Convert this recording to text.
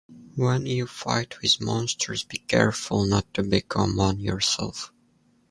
When you fight with monsters be careful not to become one yourself.